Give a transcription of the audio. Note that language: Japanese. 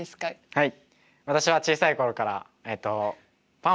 はい。